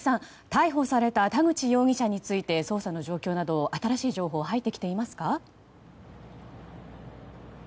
逮捕された田口容疑者について捜査の状況など新しい情報入ってきていますか。